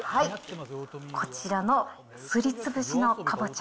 こちらのすりつぶしのかぼちゃ。